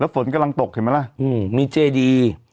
แล้วฝนกำลังตกเห็นไหมแหละอืมมีเจดี